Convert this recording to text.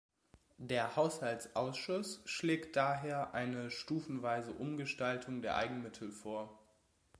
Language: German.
Der Haushaltsausschuss schlägt daher eine stufenweise Umgestaltung der Eigenmittel vor.